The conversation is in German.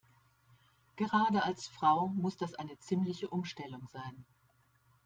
Gerade als Frau muss das eine ziemliche Umstellung sein.